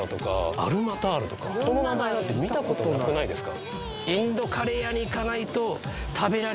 この名前なんて見たことなくないですか？